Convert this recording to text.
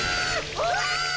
うわ。